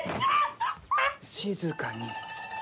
静かに。